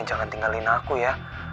jangan tinggalin aku ya